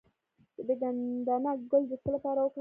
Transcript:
د ګندنه ګل د څه لپاره وکاروم؟